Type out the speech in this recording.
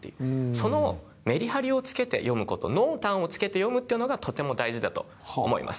そのメリハリをつけて読む事濃淡をつけて読むっていうのがとても大事だと思います。